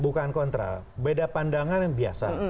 bukan kontra beda pandangan yang biasa